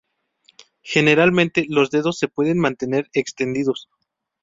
Generalmente los dedos se pueden mantener extendidos.